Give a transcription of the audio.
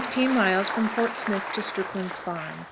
Miles. Fort Smith to 15. Strickland's Farm.